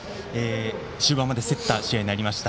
終盤まで競った展開になりました。